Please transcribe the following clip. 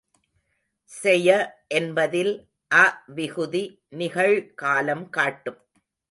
செய என்பதில் அ விகுதி நிகழ் காலம் காட்டும்.